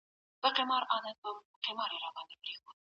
هغه واک چې له ولسه واخيستل سي تلپاتې وي.